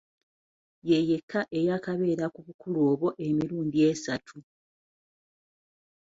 Ye yekka eyaakabeera ku bukulu obwo emirundi esatu.